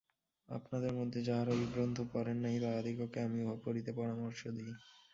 আপনাদের মধ্যে যাঁহারা ঐ গ্রন্থ পড়েন নাই, তাঁহাদিগকে আমি উহা পড়িতে পরামর্শ দিই।